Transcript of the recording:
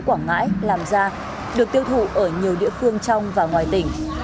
quảng ngãi làm ra được tiêu thụ ở nhiều địa phương trong và ngoài tỉnh